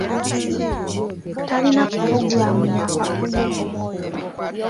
Talina pulogulaamu ya kakuyege.